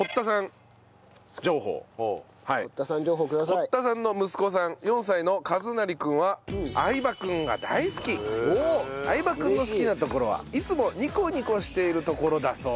堀田さんの息子さん４歳の和雅くんは相葉くんの好きなところはいつもニコニコしているところだそう。